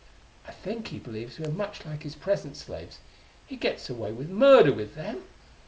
I think he believes we are much like his present slaves: he gets away with murder with them.